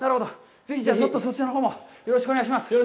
ぜひそちらのほうもよろしくお願いします。